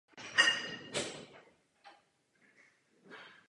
Je součástí Naučné stezky Špičák.